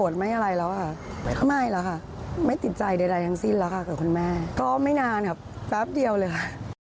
ใดทั้งสิ้นแล้วค่ะกับคุณแม่ก็ไม่นานครับแป๊บเดียวเลยค่ะ